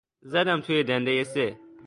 زدم توی دندهی سه